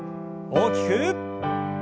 大きく。